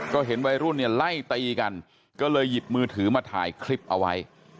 ก็เห็นวัยรุ่นเนี่ยไล่ตีกันก็เลยหยิบมือถือมาถ่ายคลิปเอาไว้